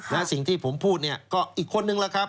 และสิ่งที่ผมพูดเนี่ยก็อีกคนนึงล่ะครับ